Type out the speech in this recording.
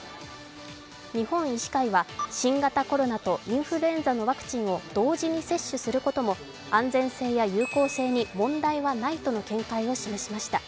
日本医師会は、新型コロナとインフルエンザのワクチンを同時に接種することも安全性や有効性に問題はないとの見解を示しました。